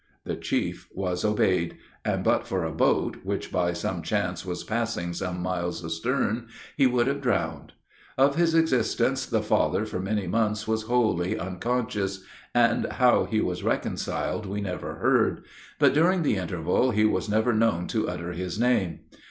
The chief was obeyed; and but for a boat, which by some chance was passing some miles astern, he would have been drowned. Of his existence the father for many months was wholly unconscious, and how he was reconciled we never heard; but during the interval he was never known to utter his name.